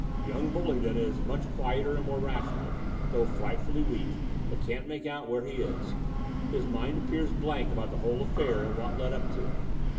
Young Bullingdon is much quieter and more rational, though frightfully weak, but can't make out where he is. His mind appears blank about the whole affair and what led up to it.